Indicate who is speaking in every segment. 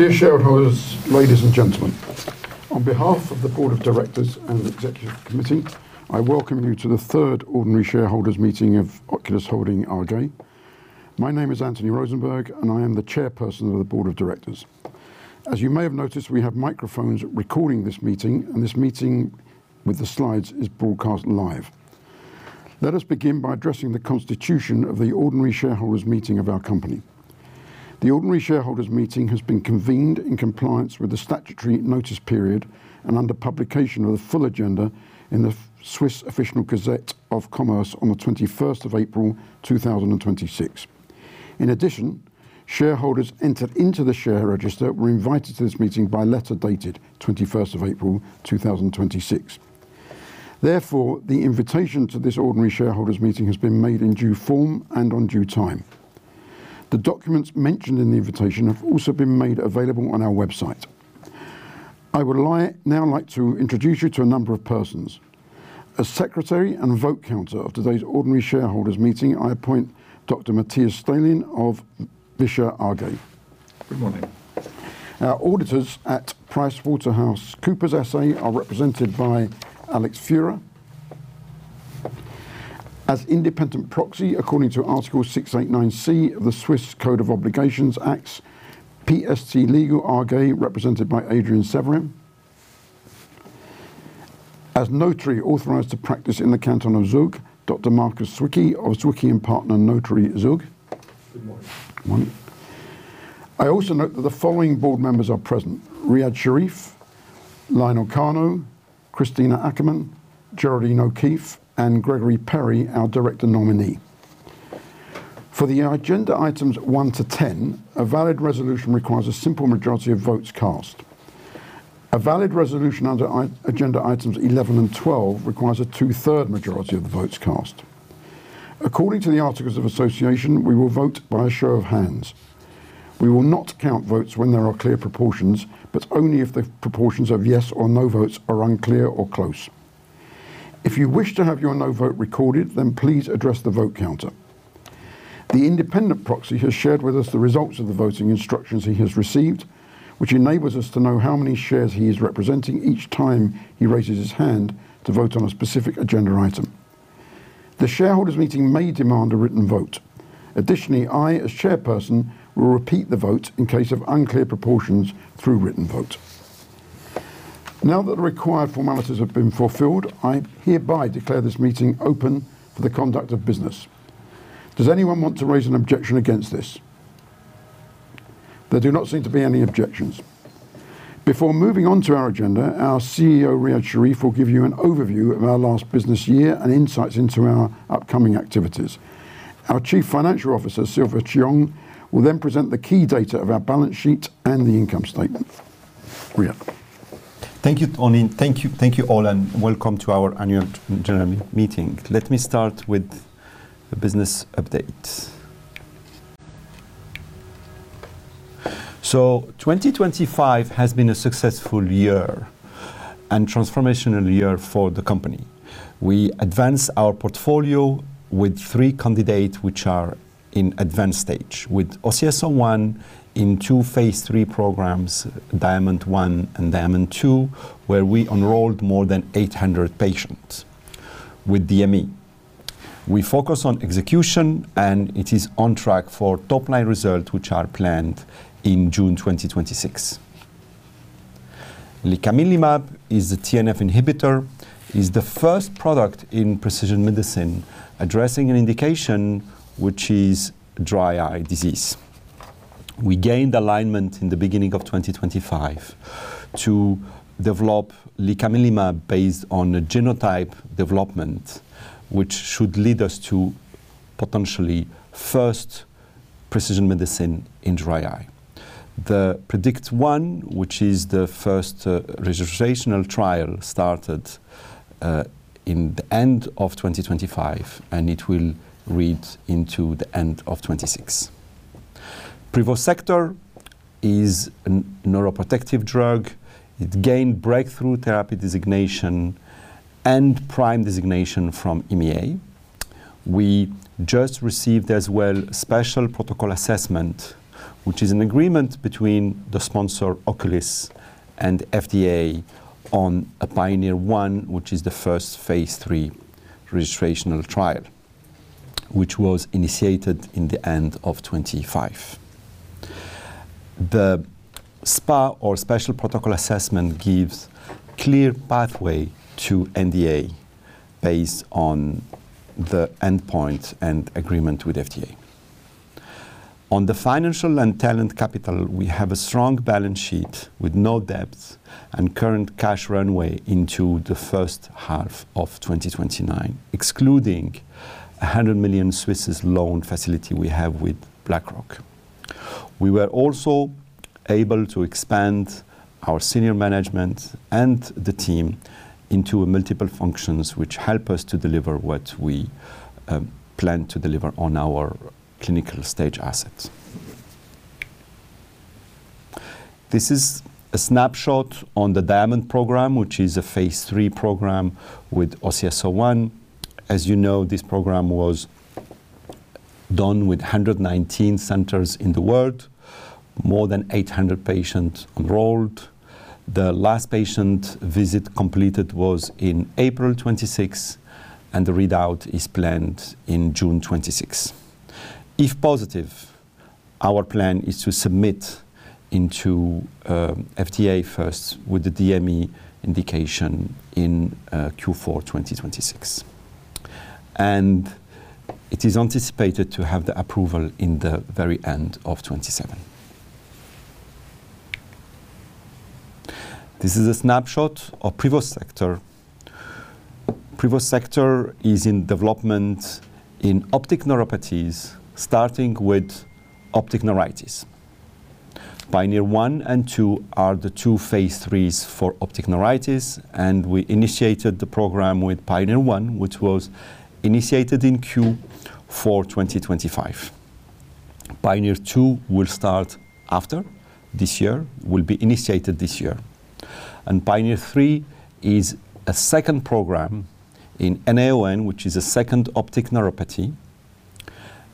Speaker 1: Dear shareholders, ladies and gentlemen. On behalf of the board of directors and the executive committee, I welcome you to the third ordinary shareholders' meeting of Oculis Holding AG. My name is Anthony Rosenberg, and I am the chairperson of the board of directors. As you may have noticed, we have microphones recording this meeting, and this meeting with the slides is broadcast live. Let us begin by addressing the constitution of the ordinary shareholders' meeting of our company. The ordinary shareholders' meeting has been convened in compliance with the statutory notice period and under publication of the full agenda in the Swiss Official Gazette of Commerce on the 21st of April, 2026. In addition, shareholders entered into the share register were invited to this meeting by letter dated 21st of April, 2026. Therefore, the invitation to this ordinary shareholders' meeting has been made in due form and on due time. The documents mentioned in the invitation have also been made available on our website. I would now like to introduce you to a number of persons. As secretary and vote counter of today's ordinary shareholders' meeting, I appoint Dr. Matthias Staehelin of VISCHER AG.
Speaker 2: Good morning.
Speaker 1: Our auditors at PricewaterhouseCoopers SA are represented by Alex Fuhrer. As independent proxy according to Article 689c of the Swiss Code of Obligations Acts, PST Legal AG, represented by Adrian Severin. As notary authorized to practice in the Canton of Zug, Dr. Markus Zwicky of Zwicky & Partner Notary, Zug. Good morning. Morning. I also note that the following board members are present: Riad Sherif, Lionel Carnot, Christina Ackermann, Geraldine O'Keeffe, and Gregory Perry, our director nominee. For the agenda items one to 10, a valid resolution requires a simple majority of votes cast. A valid resolution under agenda items 11 and 12 requires a 2/3 majority of the votes cast. According to the articles of association, we will vote by a show of hands. We will not count votes when there are clear proportions, but only if the proportions of yes or no votes are unclear or close. If you wish to have your no vote recorded, then please address the vote counter. The independent proxy has shared with us the results of the voting instructions he has received, which enables us to know how many shares he is representing each time he raises his hand to vote on a specific agenda item. The shareholders' meeting may demand a written vote. Additionally, I, as chairperson, will repeat the vote in case of unclear proportions through written vote. Now that the required formalities have been fulfilled, I hereby declare this meeting open for the conduct of business. Does anyone want to raise an objection against this? There do not seem to be any objections. Before moving on to our agenda, our CEO, Riad Sherif, will give you an overview of our last business year and insights into our upcoming activities. Our Chief Financial Officer, Sylvia Cheung, will present the key data of our balance sheet and the income statement. Riad.
Speaker 3: Thank you, Tony. Thank you, thank you, all, and welcome to our Annual General Meeting. Let me start with the business update. 2025 has been a successful year and transformational year for the company. We advanced our portfolio with three candidates which are in advanced stage. With OCS-01 in two phase III programs, DIAMOND-1 and DIAMOND-2, where we enrolled more than 800 patients with DME. We focus on execution, and it is on track for top-line results, which are planned in June 2026. Licaminlimab is a TNF inhibitor. It's the first product in precision medicine addressing an indication which is dry eye disease. We gained alignment in the beginning of 2025 to develop Licaminlimab based on a genotype development, which should lead us to potentially first precision medicine in dry eye. The PREDICT-1, which is the first registrational trial, started in the end of 2025. It will read into the end of 2026. Privosegtor is a neuroprotective drug. It gained Breakthrough Therapy designation and PRIME designation from EMA. We just received as well Special Protocol Assessment, which is an agreement between the sponsor, Oculis, and FDA on a PIONEER-1, which is the first phase III registrational trial, which was initiated in the end of 2025. The SPA or Special Protocol Assessment gives clear pathway to NDA based on the endpoint and agreement with FDA. On the financial and talent capital, we have a strong balance sheet with no debt and current cash runway into the first half of 2029, excluding a 100 million Swiss loan facility we have with BlackRock. We were also able to expand our senior management and the team into multiple functions which help us to deliver what we plan to deliver on our clinical stage assets. This is a snapshot on the DIAMOND program, which is a phase III program with OCS-01. As you know, this program was done with 119 centers in the world. More than 800 patient enrolled. The last patient visit completed was in April 26, and the readout is planned in June 26. If positive, our plan is to submit into FDA first with the DME indication in Q4 2026. It is anticipated to have the approval in the very end of 2027. This is a snapshot of Privosegtor. Privosegtor is in development in optic neuropathies, starting with optic neuritis. PIONEER-1 and PIONEER-2 are the two phase IIIs for optic neuritis. We initiated the program with PIONEER-1, which was initiated in Q4 2025. PIONEER-2 will start after this year, will be initiated this year. PIONEER-3 is a second program in NAION, which is a second optic neuropathy.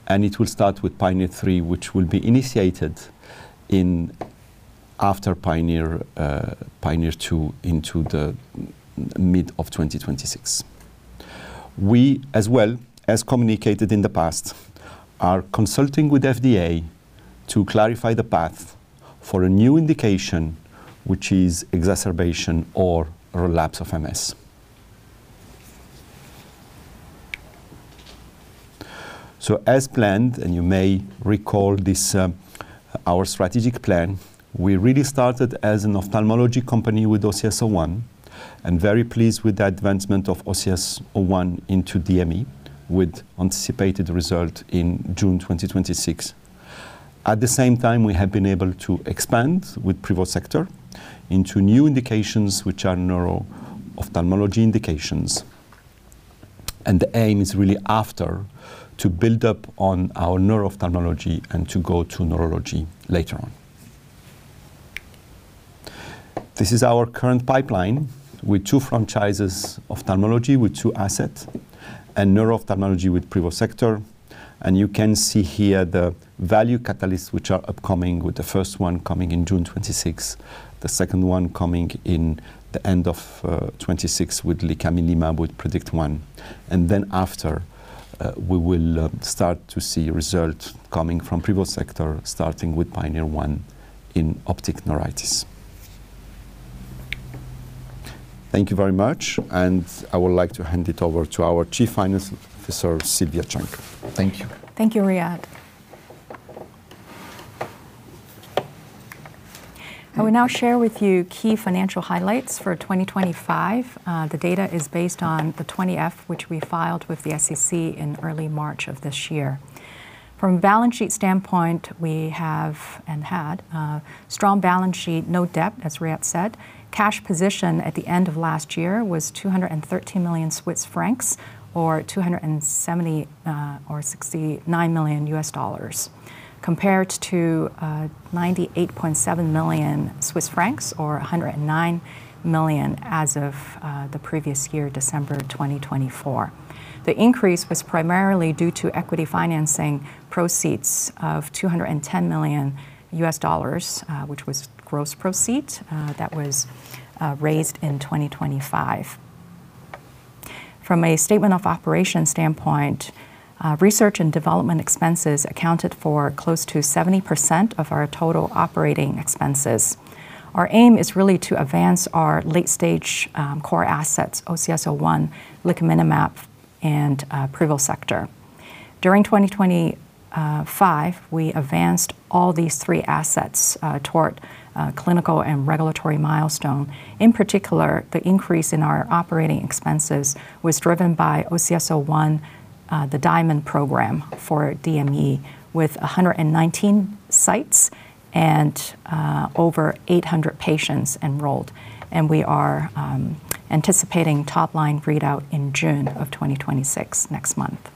Speaker 3: It will start with PIONEER-3, which will be initiated after PIONEER-2 into the mid of 2026. We, as well as communicated in the past, are consulting with FDA to clarify the path for a new indication, which is exacerbation or relapse of MS. As planned, and you may recall this, our strategic plan, we really started as an ophthalmology company with OCS-01 and very pleased with the advancement of OCS-01 into DME with anticipated result in June 2026. At the same time, we have been able to expand with Privosegtor into new indications which are neuro-ophthalmology indications. The aim is really after to build up on our neuro-ophthalmology and to go to neurology later on. This is our current pipeline with two franchises ophthalmology with two assets and neuro-ophthalmology with Privosegtor. You can see here the value catalysts which are upcoming with the first one coming in June 2026, the second one coming in the end of 2026 with Licaminlimab with PREDICT-1. Then after we will start to see results coming from Privosegtor starting with PIONEER-1 in optic neuritis. Thank you very much, and I would like to hand it over to our Chief Financial Officer, Sylvia Cheung. Thank you.
Speaker 4: Thank you, Riad. I will now share with you key financial highlights for 2025. The data is based on the 20-F, which we filed with the SEC in early March of this year. From a balance sheet standpoint, we have and had a strong balance sheet, no debt, as Riad said. Cash position at the end of last year was 213 million Swiss francs or $270 or $69 million U.S. dollars, compared to 98.7 million Swiss francs or 109 million as of the previous year, December 2024. The increase was primarily due to equity financing proceeds of $210 million U.S. dollars, which was gross proceeds, that was raised in 2025. From a statement of operations standpoint, research and development expenses accounted for close to 70% of our total operating expenses. Our aim is really to advance our late-stage, core assets, OCS-01, Licaminlimab, and Privosegtor. During 2025, we advanced all these three assets toward clinical and regulatory milestone. In particular, the increase in our operating expenses was driven by OCS-01, the DIAMOND program for DME with 119 sites and over 800 patients enrolled. We are anticipating top-line readout in June of 2026, next month.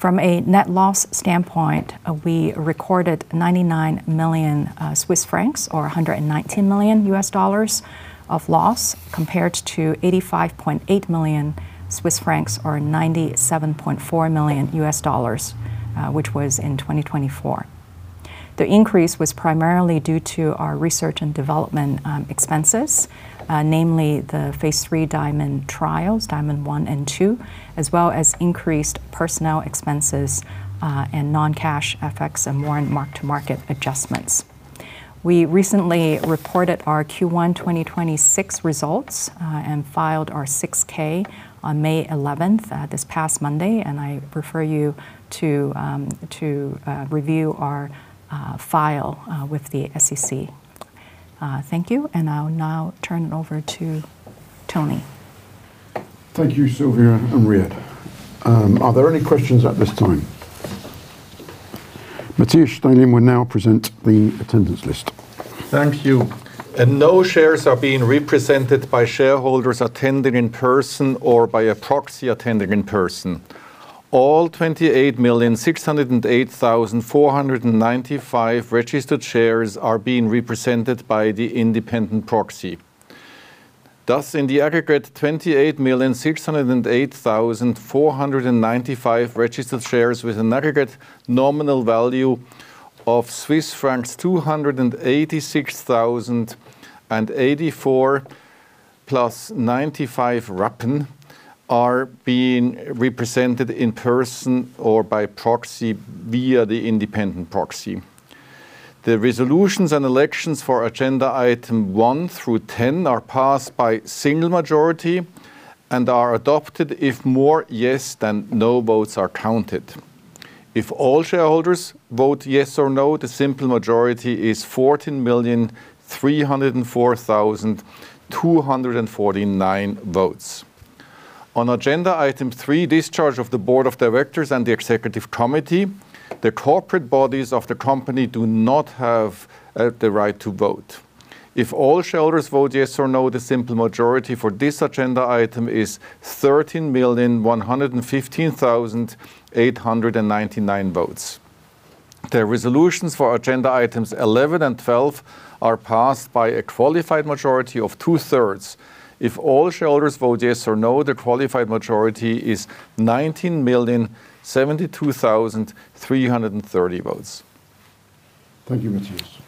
Speaker 4: From a net loss standpoint, we recorded 99 million Swiss francs or $119 million of loss compared to 85.8 million Swiss francs or $97.4 million, which was in 2024. The increase was primarily due to our research and development expenses, namely the phase III DIAMOND trials, DIAMOND-1 and DIAMOND-2, as well as increased personnel expenses and non-cash effects and more mark-to-market adjustments. We recently reported our Q1 2026 results and filed our Form 6-K on May 11, this past Monday. I refer you to review our file with the SEC. Thank you, and I will now turn it over to Tony.
Speaker 1: Thank you, Sylvia and Riad. Are there any questions at this time? Matthias Staehelin will now present the attendance list.
Speaker 2: Thank you. No shares are being represented by shareholders attending in person or by a proxy attending in person. All 28,608,495 registered shares are being represented by the independent proxy. Thus, in the aggregate, 28,608,495 registered shares with an aggregate nominal value of Swiss francs 286,084.95 are being represented in person or by proxy via the independent proxy. The resolutions and elections for agenda item one through 10 are passed by single majority and are adopted if more yes than no votes are counted. If all shareholders vote yes or no, the simple majority is 14,304,249 votes. On agenda item three, discharge of the Board of Directors and the Executive Committee, the corporate bodies of the company do not have the right to vote. If all shareholders vote yes or no, the simple majority for this agenda item is 13,115,899 votes. The resolutions for agenda items 11 and 12 are passed by a qualified majority of 2/3. If all shareholders vote yes or no, the qualified majority is 19,072,330 votes.
Speaker 1: Thank you, Matthias.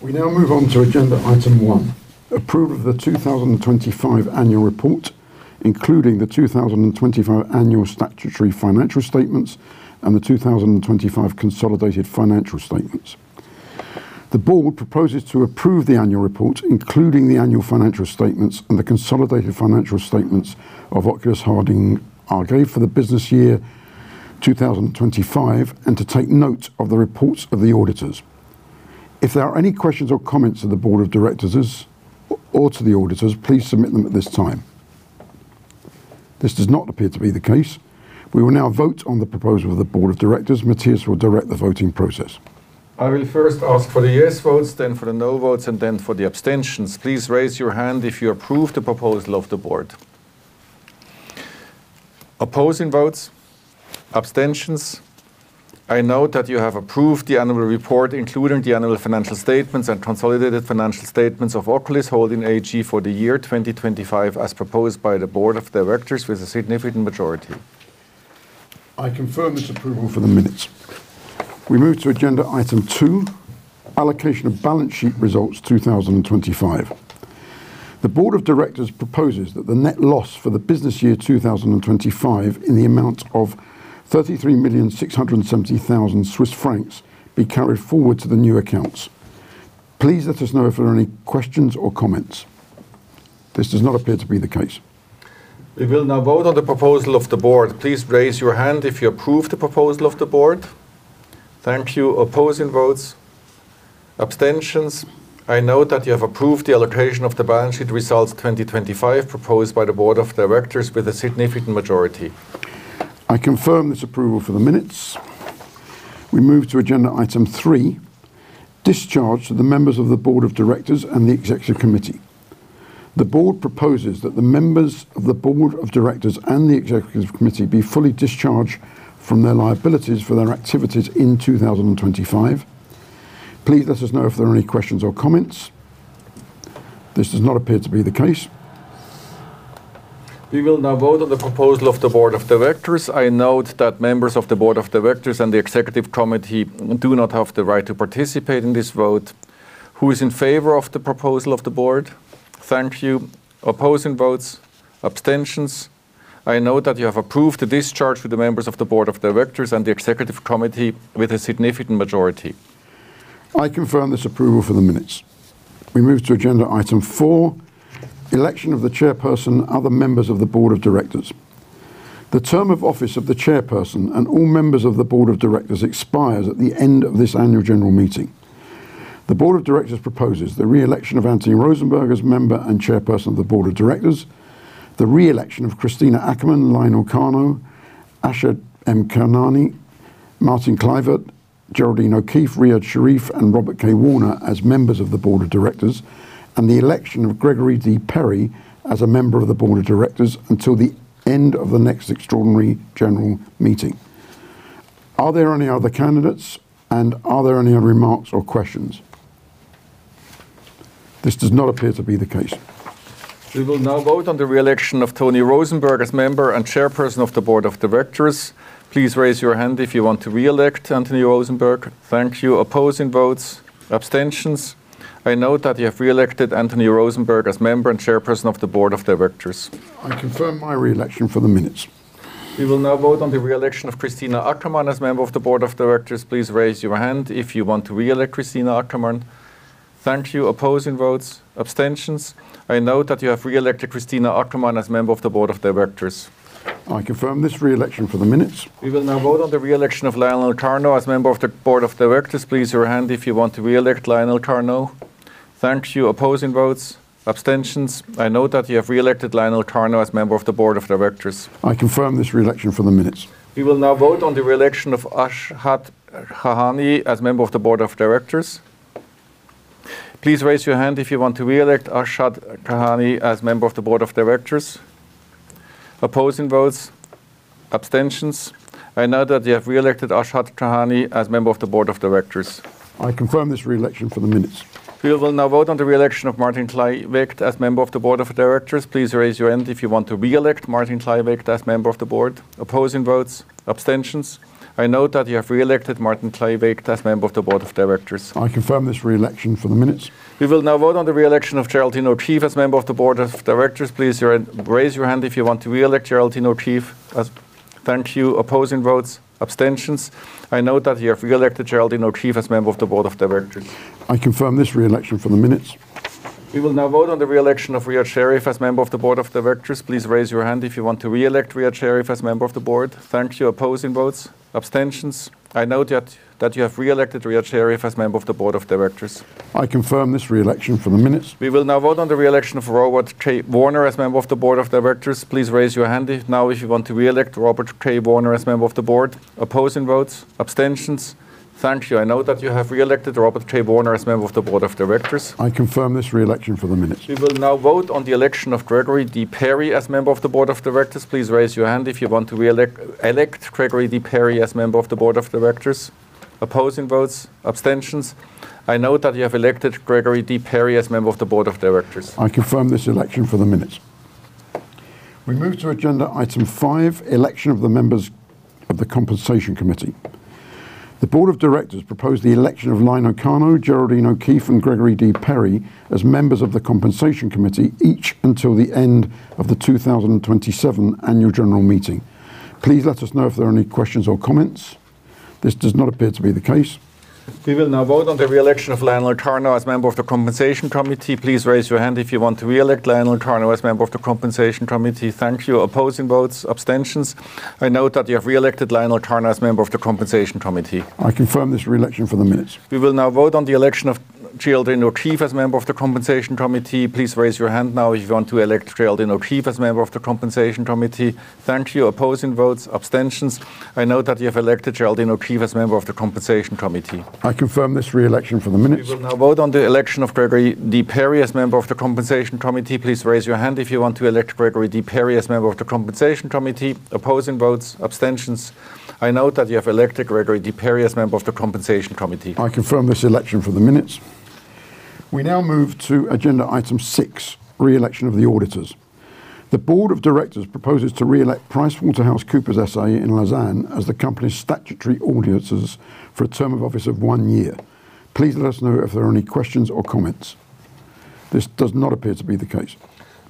Speaker 1: We now move on to agenda item one, approval of the 2025 annual report, including the 2025 annual statutory financial statements and the 2025 consolidated financial statements. The Board proposes to approve the annual report, including the annual financial statements and the consolidated financial statements of Oculis Holding AG for the business year 2025 and to take note of the reports of the auditors. If there are any questions or comments to the Board of Directors or to the auditors, please submit them at this time. This does not appear to be the case. We will now vote on the proposal of the Board of Directors. Matthias will direct the voting process.
Speaker 2: I will first ask for the yes votes, then for the no votes, and then for the abstentions. Please raise your hand if you approve the proposal of the board. Opposing votes. Abstentions. I note that you have approved the annual report, including the annual financial statements and consolidated financial statements of Oculis Holding AG for the year 2025 as proposed by the Board of Directors with a significant majority.
Speaker 1: I confirm this approval for the minutes. We move to agenda item two, allocation of balance sheet results 2025. The Board of Directors proposes that the net loss for the business year 2025 in the amount of 33,670,000 Swiss francs be carried forward to the new accounts. Please let us know if there are any questions or comments. This does not appear to be the case.
Speaker 2: We will now vote on the proposal of the board. Please raise your hand if you approve the proposal of the board. Thank you. Opposing votes. Abstentions. I note that you have approved the allocation of the balance sheet results 2025 proposed by the Board of Directors with a significant majority.
Speaker 1: I confirm this approval for the minutes. We move to agenda item three, discharge to the members of the Board of Directors and the Executive Committee. The board proposes that the members of the Board of Directors and the Executive Committee be fully discharged from their liabilities for their activities in 2025. Please let us know if there are any questions or comments. This does not appear to be the case.
Speaker 2: We will now vote on the proposal of the Board of Directors. I note that members of the Board of Directors and the Executive Committee do not have the right to participate in this vote. Who is in favor of the proposal of the board? Thank you. Opposing votes. Abstentions. I note that you have approved the discharge for the members of the Board of Directors and the Executive Committee with a significant majority.
Speaker 1: I confirm this approval for the minutes. We move to agenda item four, election of the chairperson and other members of the Board of Directors. The term of office of the chairperson and all members of the Board of Directors expires at the end of this Annual General Meeting. The Board of Directors proposes the re-election of Anthony Rosenberg as member and chairperson of the Board of Directors, the re-election of Christina Ackermann, Lionel Carnot, Arshad M. Khanani, Martijn Kleijwegt, Geraldine O'Keeffe, Riad Sherif, and Robert K. Warner as members of the Board of Directors, and the election of Gregory D. Perry as a member of the Board of Directors until the end of the next extraordinary general meeting. Are there any other candidates, and are there any other remarks or questions? This does not appear to be the case.
Speaker 2: We will now vote on the re-election of Anthony Rosenberg as member and chairperson of the Board of Directors. Please raise your hand if you want to re-elect Anthony Rosenberg. Thank you. Opposing votes. Abstentions. I note that you have re-elected Anthony Rosenberg as member and chairperson of the Board of Directors.
Speaker 1: I confirm my re-election for the minutes.
Speaker 2: We will now vote on the re-election of Christina Ackermann as member of the Board of Directors. Please raise your hand if you want to re-elect Christina Ackermann. Thank you. Opposing votes. Abstentions. I note that you have re-elected Christina Ackermann as member of the Board of Directors.
Speaker 1: I confirm this re-election for the minutes.
Speaker 2: We will now vote on the re-election of Lionel Carnot as member of the Board of Directors. Please raise your hand if you want to re-elect Lionel Carnot. Thank you. Opposing votes. Abstentions. I note that you have re-elected Lionel Carnot as member of the Board of Directors.
Speaker 1: I confirm this re-election for the minutes.
Speaker 2: We will now vote on the re-election of Arshad M. Khanani as member of the Board of Directors. Please raise your hand if you want to re-elect Arshad M. Khanani as member of the Board of Directors. Opposing votes. Abstentions. Abstentions. I note that you have reelected Riad Sherif as member of the board of directors.
Speaker 1: I confirm this reelection for the minutes.
Speaker 2: We will now vote on the reelection of Robert K. Warner as member of the board of directors. Please raise your hand now if you want to reelect Robert K. Warner as member of the board. Opposing votes. Abstentions. Thank you. I note that you have reelected Robert K. Warner as member of the board of directors.
Speaker 1: I confirm this reelection for the minutes.
Speaker 2: We will now vote on the election of Gregory D. Perry as member of the board of directors. Please raise your hand if you want to reelect Gregory D. Perry as member of the board of directors. Opposing votes. Abstentions. I note that you have elected Gregory D. Perry as member of the board of directors.
Speaker 1: I confirm this election for the minutes. We move to agenda item five, election of the members of the Compensation Committee. The Board of Directors propose the election of Lionel Carnot, Geraldine O'Keeffe, and Gregory D. Perry as members of the Compensation Committee, each until the end of the 2027 Annual General Meeting. Please let us know if there are any questions or comments. This does not appear to be the case.
Speaker 2: We will now vote on the reelection of Lionel Carnot as member of the Compensation Committee. Please raise your hand if you want to reelect Lionel Carnot as member of the Compensation Committee. Thank you. Opposing votes. Abstentions. I note that you have reelected Lionel Carnot as member of the Compensation Committee.
Speaker 1: I confirm this reelection for the minutes.
Speaker 2: We will now vote on the election of Geraldine O'Keeffe as member of the Compensation Committee. Please raise your hand now if you want to elect Geraldine O'Keeffe as member of the Compensation Committee. Thank you. Opposing votes. Abstentions. I note that you have elected Geraldine O'Keeffe as member of the Compensation Committee.
Speaker 1: I confirm this reelection for the minutes.
Speaker 2: We will now vote on the election of Gregory D. Perry as member of the Compensation Committee. Please raise your hand if you want to elect Gregory D. Perry as member of the Compensation Committee. Opposing votes. Abstentions. I note that you have elected Gregory D. Perry as member of the Compensation Committee.
Speaker 1: I confirm this election for the minutes. We now move to agenda item six, reelection of the auditors. The Board of Directors proposes to reelect PricewaterhouseCoopers SA in Lausanne as the company's statutory auditors for a term of office of one year. Please let us know if there are any questions or comments. This does not appear to be the case.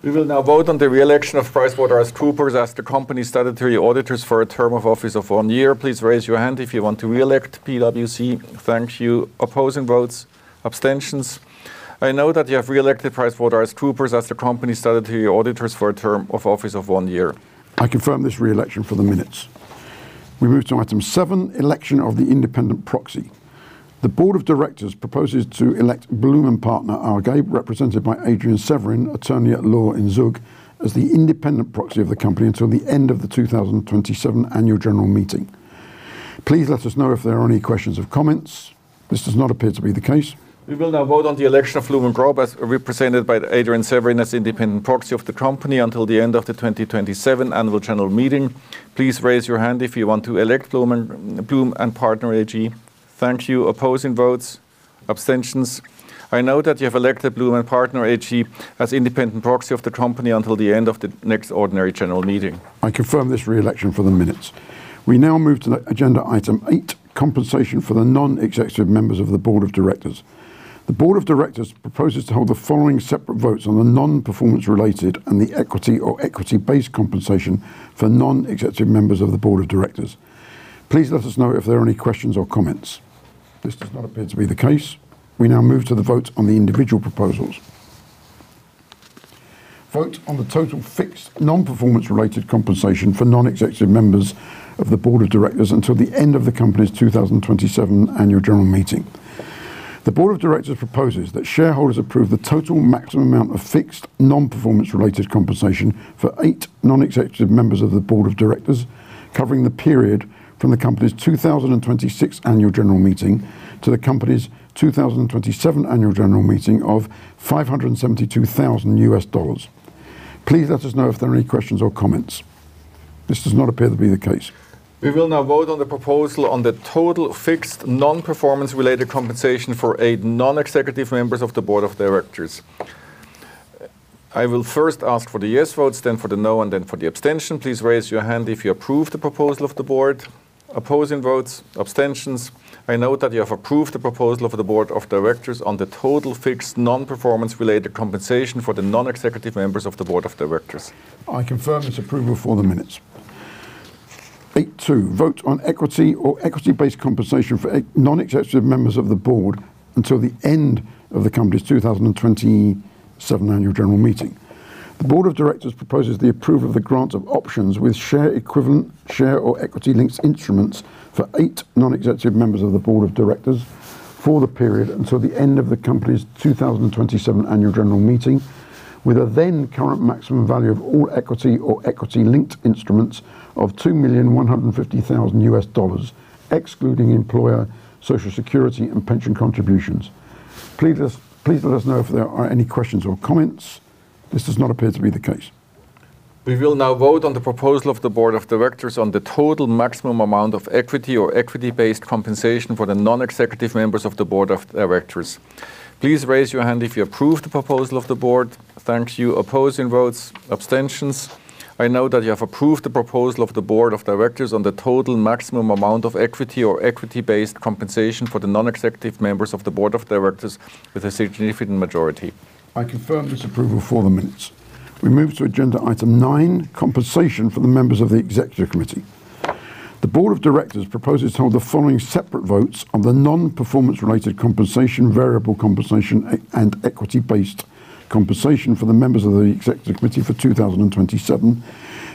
Speaker 2: We will now vote on the reelection of PricewaterhouseCoopers as the company's statutory auditors for a term of office of one year. Please raise your hand if you want to reelect PricewaterhouseCoopers. Thank you. Opposing votes. Abstentions. I note that you have reelected PricewaterhouseCoopers as the company's statutory auditors for a term of office of 1 year.
Speaker 1: I confirm this reelection for the minutes. We move to item seven, election of the independent proxy. The Board of Directors proposes to elect Blume and Partner AG, represented by Adrian Severin, attorney at law in Zug, as the independent proxy of the company until the end of the 2027 Annual General Meeting. Please let us know if there are any questions or comments. This does not appear to be the case.
Speaker 2: We will now vote on the election of Blume and Partner, represented by Adrian Severin, as independent proxy of the company until the end of the 2027 Annual General Meeting. Please raise your hand if you want to elect Blume and Partner AG. Thank you. Opposing votes. Abstentions. I note that you have elected Blume and Partner AG as independent proxy of the company until the end of the next ordinary general meeting.
Speaker 1: I confirm this reelection for the minutes. We now move to the agenda item eight, compensation for the non-executive members of the Board of Directors. The Board of Directors proposes to hold the following separate votes on the non-performance related and the equity or equity-based compensation for non-executive members of the Board of Directors. Please let us know if there are any questions or comments. This does not appear to be the case. We now move to the votes on the individual proposals. Vote on the total fixed non-performance related compensation for non-executive members of the Board of Directors until the end of the company's 2027 Annual General Meeting. The Board of Directors proposes that shareholders approve the total maximum amount of fixed non-performance related compensation for eight non-executive members of the Board of Directors, covering the period from the company's 2026 Annual General Meeting to the company's 2027 Annual General Meeting of $572,000. Please let us know if there are any questions or comments. This does not appear to be the case.
Speaker 2: We will now vote on the proposal on the total fixed non-performance related compensation for eight non-executive members of the Board of Directors. I will first ask for the yes votes, then for the no, and then for the abstention. Please raise your hand if you approve the proposal of the Board. Opposing votes. Abstentions. I note that you have approved the proposal of the Board of Directors on the total fixed non-performance related compensation for the non-executive members of the Board of Directors.
Speaker 1: I confirm this approval for the minutes. 8.2. Vote on equity or equity-based compensation for non-executive members of the Board until the end of the company's 2027 Annual General Meeting. The Board of Directors proposes the approval of the grant of options with share equivalent or equity-linked instruments for eight non-executive members of the Board of Directors for the period until the end of the company's 2027 Annual General Meeting, with a then current maximum value of all equity or equity-linked instruments of $2,150,000, excluding employer Social Security and pension contributions. Please let us know if there are any questions or comments. This does not appear to be the case.
Speaker 2: We will now vote on the proposal of the board of directors on the total maximum amount of equity or equity-based compensation for the non-executive members of the board of directors. Please raise your hand if you approve the proposal of the board. Thank you. Opposing votes. Abstentions. I know that you have approved the proposal of the board of directors on the total maximum amount of equity or equity-based compensation for the non-executive members of the board of directors with a significant majority.
Speaker 1: I confirm this approval for the minutes. We move to agenda item nine, compensation for the members of the Executive Committee. The Board of Directors proposes to hold the following separate votes on the non-performance related compensation, variable compensation, and equity-based compensation for the members of the Executive Committee for 2027.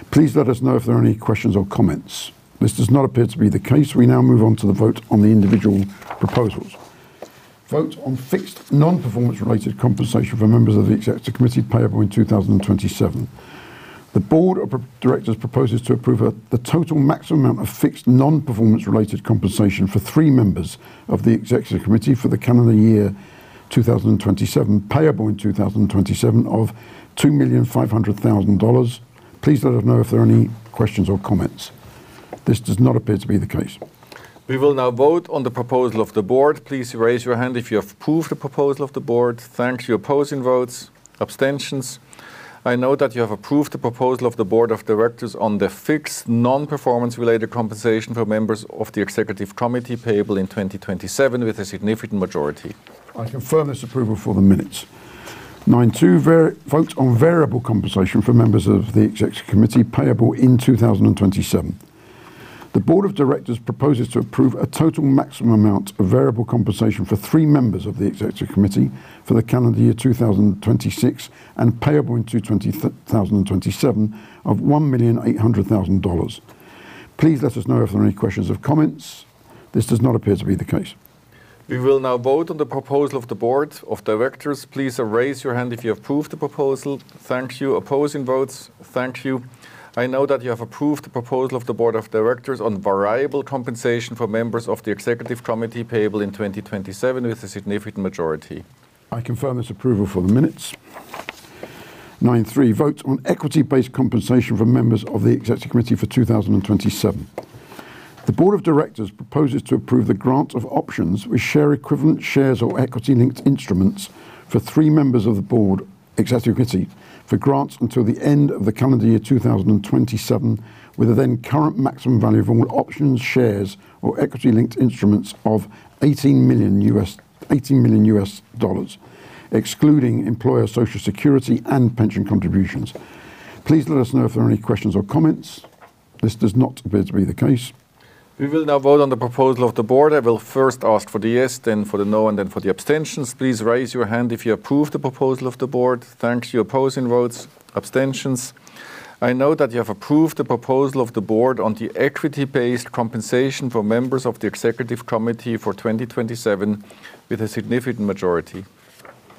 Speaker 1: Please let us know if there are any questions or comments. This does not appear to be the case. We now move on to the vote on the individual proposals. Vote on fixed non-performance related compensation for members of the Executive Committee payable in 2027. The Board of Directors proposes to approve the total maximum amount of fixed non-performance related compensation for three members of the Executive Committee for the calendar year 2027, payable in 2027 of $2,500,000. Please let us know if there are any questions or comments. This does not appear to be the case.
Speaker 2: We will now vote on the proposal of the board. Please raise your hand if you have approved the proposal of the board. Thank you. Opposing votes. Abstentions. I know that you have approved the proposal of the board of directors on the fixed non-performance related compensation for members of the executive committee payable in 2027 with a significant majority.
Speaker 1: I confirm this approval for the minutes. 9.2, vote on variable compensation for members of the executive committee payable in 2027. The board of directors proposes to approve a total maximum amount of variable compensation for three members of the executive committee for the calendar year 2026, and payable in 2027 of $1.8 million. Please let us know if there are any questions or comments. This does not appear to be the case.
Speaker 2: We will now vote on the proposal of the board of directors. Please raise your hand if you approve the proposal. Thank you. Opposing votes. Thank you. I know that you have approved the proposal of the board of directors on variable compensation for members of the executive committee payable in 2027 with a significant majority.
Speaker 1: I confirm this approval for the minutes. 9.3, vote on equity-based compensation for members of the executive committee for 2027. The Board of Directors proposes to approve the grant of options with share equivalent shares or equity-linked instruments for three members of the Board executive committee for grants until the end of the calendar year 2027, with a then current maximum value of all options, shares, or equity-linked instruments of $80 million, excluding employer Social Security and pension contributions. Please let us know if there are any questions or comments. This does not appear to be the case.
Speaker 2: We will now vote on the proposal of the board. I will first ask for the yes, then for the no, and then for the abstentions. Please raise your hand if you approve the proposal of the board. Thank you. Opposing votes. Abstentions. I know that you have approved the proposal of the board on the equity-based compensation for members of the executive committee for 2027 with a significant majority.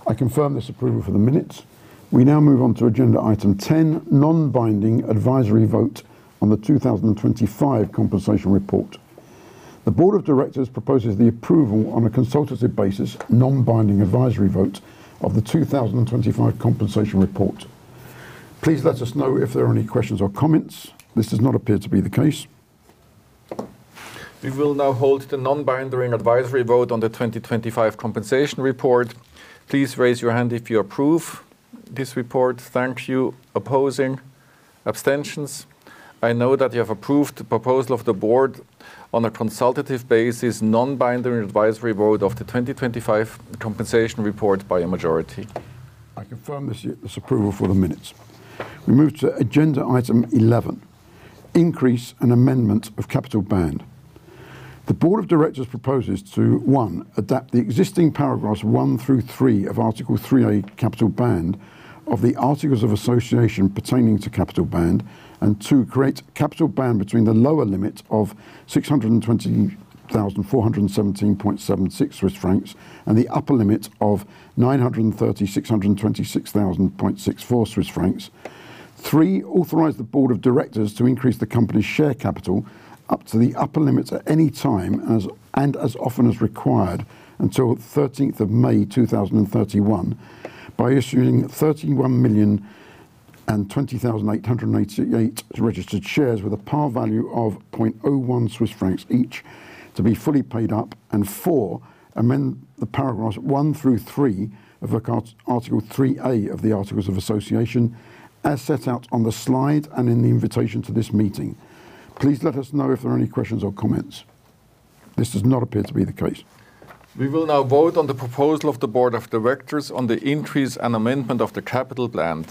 Speaker 1: I confirm this approval for the minutes. We now move on to agenda item 10, non-binding advisory vote on the 2025 compensation report. The board of directors proposes the approval on a consultative basis non-binding advisory vote of the 2025 compensation report. Please let us know if there are any questions or comments. This does not appear to be the case.
Speaker 2: We will now hold the non-binding advisory vote on the 2025 compensation report. Please raise your hand if you approve this report. Thank you. Opposing. Abstentions. I know that you have approved the proposal of the Board on a consultative basis non-binding advisory vote of the 2025 compensation report by a majority.
Speaker 1: I confirm this approval for the minutes. We move to agenda item 10, increase and amendment of capital band. The board of directors proposes to, 1, adapt the existing paragraphs 1 through 3 of Article 3a, capital band, of the articles of association pertaining to capital band. And 2, create capital band between the lower limit of 620,417.76 Swiss francs and the upper limit of 936,226.64 Swiss francs. 3, authorize the board of directors to increase the company's share capital up to the upper limit at any time as, and as often as required until May 13, 2031, by issuing 31,020,888 registered shares with a par value of 0.01 Swiss francs each to be fully paid up. Four, amend the paragraphs one through three of Article 3a of the Articles of Association as set out on the slide and in the invitation to this meeting. Please let us know if there are any questions or comments. This does not appear to be the case.
Speaker 2: We will now vote on the proposal of the board of directors on the increase and amendment of the capital band.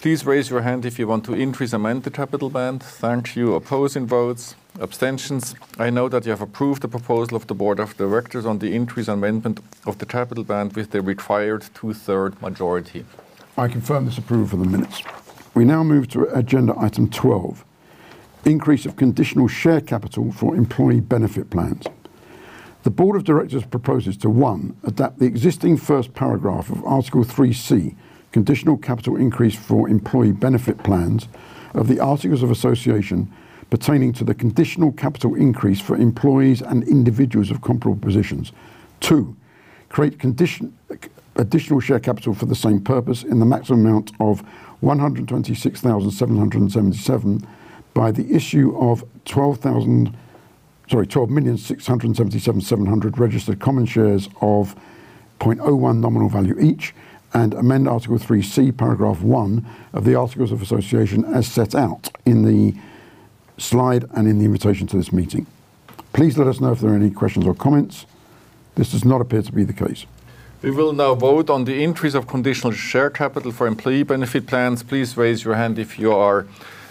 Speaker 2: Please raise your hand if you want to increase and amend the capital band. Thank you. Opposing votes. Abstentions. I know that you have approved the proposal of the board of directors on the increase and amendment of the capital band with the required 2/3 majority.
Speaker 1: I confirm this approval for the minutes. We now move to agenda item 12, increase of conditional share capital for employee benefit plans. The board of directors proposes to, one, adapt the existing first paragraph of Article 3c, conditional capital increase for employee benefit plans of the Articles of Association pertaining to the conditional capital increase for employees and individuals of comparable positions. Two, create additional share capital for the same purpose in the maximum amount of 126,777 by the issue of 12 million 677,700 registered common shares of 0.01 nominal value each. Amend Article 3c, paragraph one of the Articles of Association, as set out in the slide and in the invitation to this meeting. Please let us know if there are any questions or comments. This does not appear to be the case.
Speaker 2: We will now vote on the increase of conditional share capital for employee benefit plans. Please raise your hand if you are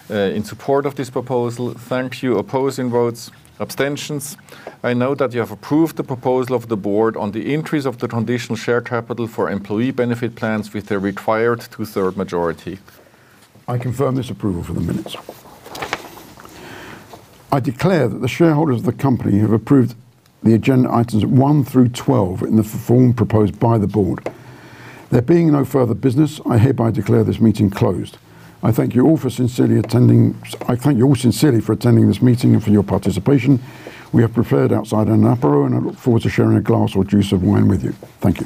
Speaker 2: in support of this proposal. Thank you. Opposing votes. Abstentions. I know that you have approved the proposal of the board on the increase of the conditional share capital for employee benefit plans with the required 2/3 majority.
Speaker 1: I confirm this approval for the minutes. I declare that the shareholders of the company have approved the agenda items one through 12 in the form proposed by the board. There being no further business, I hereby declare this meeting closed. I thank you all sincerely for attending this meeting and for your participation. We have preferred outside an apéro. I look forward to sharing a glass or juice of wine with you. Thank you.